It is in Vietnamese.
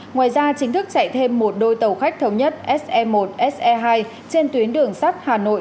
ngoài ra chính thức chạy thêm một đôi tàu khách thống nhất se một se hai trên tuyến đường sắt hà nội